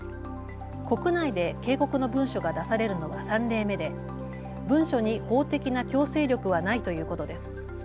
国内で警告の文書が出されるのは３例目で文書に法的な強制力はないということです。